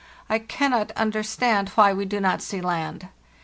I cannot understand why we do not see land.